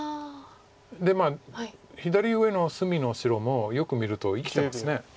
で左上の隅の白もよく見ると生きてます。